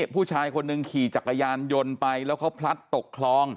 ผู้ชายคนหนึ่งขี่จักรยานยนต์ไปแล้วเขาพลัดตกคลอง